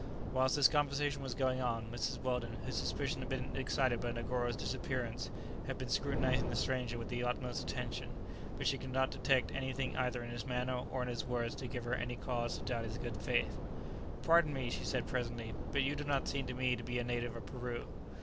Whilst this conversation was going on, Mrs. Weldon, whose suspicions had been excited by Negoro's disappearance, had been scrutinizing the stranger with the utmost attention; but she could detect nothing either in his manner or in his words to give her any cause to doubt his good faith. "Pardon me," she said presently; "but you do not seem to me to be a native of Peru?"